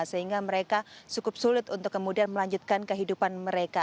sehingga mereka cukup sulit untuk kemudian melanjutkan kehidupan mereka